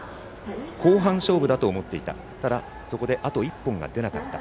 後半勝負だと思っていたがそこであと１本が出なかった。